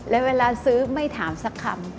และเวลาซื้อไม่ถามสักคำ